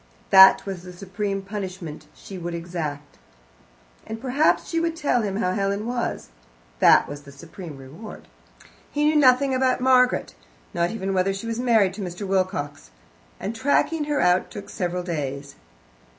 That was the supreme punishment she would exact. And perhaps she would tell him how Helen was. That was the supreme reward. He knew nothing about Margaret, not even whether she was married to Mr. Wilcox, and tracking her out took several days.